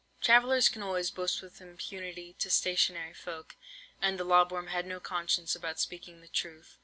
"Travellers can always boast with impunity to stationary folk, and the lob worm had no conscience about speaking the truth.